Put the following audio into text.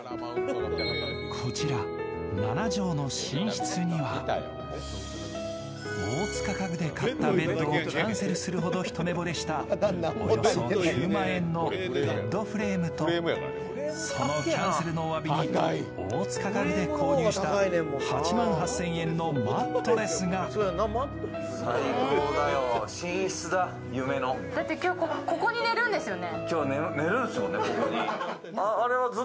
こちら７畳の寝室には大塚家具で買ったベッドをキャンセルするほど一目ぼれしたおよそ９万円のベッドフレームとそのキャンセルのおわびに大塚家具で購入した８万８０００円のマットレスがだって今日ここに寝るんですよね